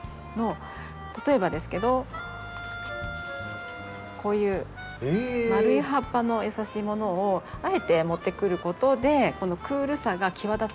例えばですけどこういう丸い葉っぱの優しいものをあえて持ってくることでこのクールさが際立つっていう。